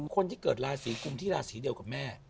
คนที่เกิดราศีกุมที่ราศีเดียวกับแม่